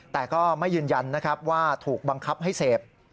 แต่ก็ไม่ยืนยันนะครับว่าถูกบังคับให้เสพ